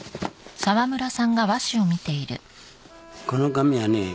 この紙はね